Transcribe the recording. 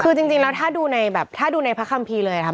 คือจริงแล้วถ้าดูในแบบถ้าดูในพระคัมภีร์เลยนะครับ